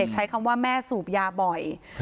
ใช้คำว่าแม่สูบยาบ่อย